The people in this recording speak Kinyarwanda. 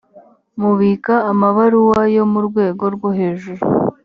mubika amabaruwa yo mu rwego rwohejuru.